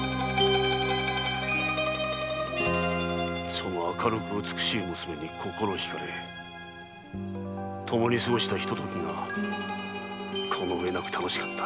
その明るく美しい娘に心惹かれ共に過ごした一時がこのうえなく楽しかった。